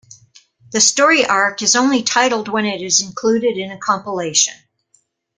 The story arc is only titled when it is included in a compilation.